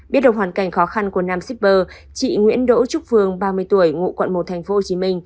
biết được hoàn cảnh khó khăn của nam shipper chị nguyễn đỗ trúc phương ba mươi tuổi ngụ quận một tp hcm